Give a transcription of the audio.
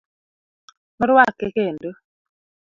Noruake kendo.